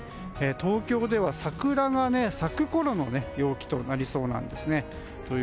東京では桜が咲くころの陽気となりそうなんですね。